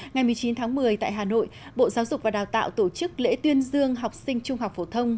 ngày một mươi chín tháng một mươi tại hà nội bộ giáo dục và đào tạo tổ chức lễ tuyên dương học sinh trung học phổ thông